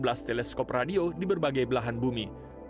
ketiga adalah teleskop radio di berbagai belahan bumi